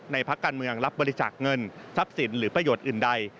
พักการเมืองรับบริจาคเงินทรัพย์สินหรือประโยชน์อื่นใด